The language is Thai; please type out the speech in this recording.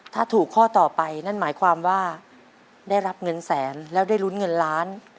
ถ้าถูกข้อต่อไปนั่นหมายความว่าได้รับเงินแสนแล้วได้ลุ้นเงินล้าน